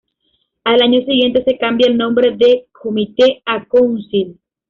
Al año siguiente se cambia el nombre de "Committee" a "Council".